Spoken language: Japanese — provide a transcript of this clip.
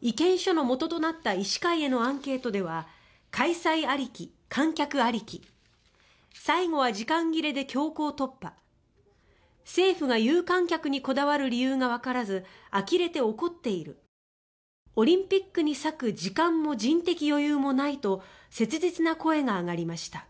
意見書のもととなった医師会へのアンケートでは開催ありき、観客ありき最後は時間切れで強行突破政府が有観客にこだわる理由がわからずあきれて怒っているオリンピックに割く時間も人的余裕もないと切実な声が上がりました。